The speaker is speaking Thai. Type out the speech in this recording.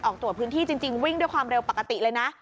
ออกตรวจพื้นที่จริงวิ่งด้วยความเร็วปกติเลยนะ